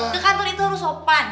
ke kantor itu harus sopan